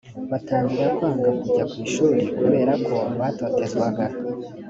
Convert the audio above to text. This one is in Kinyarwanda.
batangira kwanga kujya ku ishuri kubera ko batotezwaga